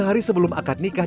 untuk pembeli pernikahan